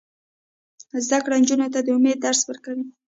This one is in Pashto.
زده کړه نجونو ته د امید درس ورکوي.